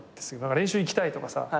練習行きたいとかさ。